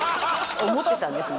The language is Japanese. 思ってたんですね。